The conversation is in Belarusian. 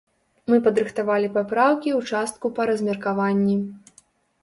Мы падрыхтавалі папраўкі ў частку па размеркаванні.